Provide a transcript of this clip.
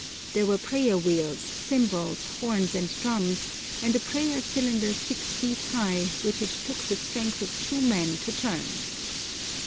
There were prayer wheels, cymbals, horns and drums, and a prayer cylinder six feet high, which it took the strength of two men to turn.